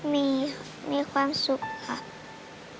มีมีความสุขครับ